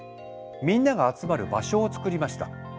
みんなが集まる場所を作りました。